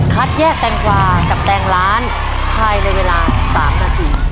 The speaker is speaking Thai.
คัดแยกแตงกวากับแตงล้านภายในเวลา๓นาที